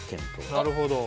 なるほど。